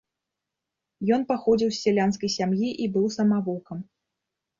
Ён паходзіў з сялянскай сям'і і быў самавукам.